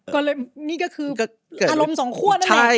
ก็เลยนี่ก็คืออารมณ์สองคั่วนั่นเอง